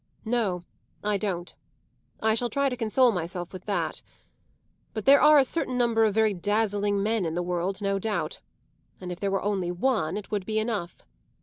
"No I don't; I shall try to console myself with that. But there are a certain number of very dazzling men in the world, no doubt; and if there were only one it would be enough.